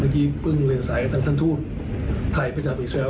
เมื่อกี้เพิ่งเรียนสายกันทางท่านทูตไทยประจำอีกแสว